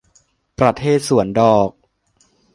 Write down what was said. ประเทศสวนดอก